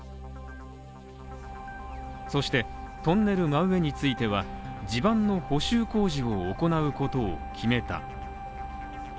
そしてトンネル真上については、地盤の補修工事を行うことを決めた。